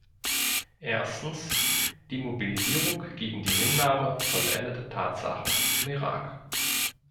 Erstens die Mobilisierung gegen die Hinnahme vollendeter Tatsachen im Irak.